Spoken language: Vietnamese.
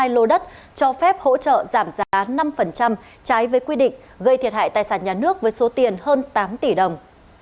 hai trăm sáu mươi hai lô đất cho phép hỗ trợ giảm giá năm trái với quy định gây thiệt hại tài sản nhà nước với số tiền hơn tám tỷ đồng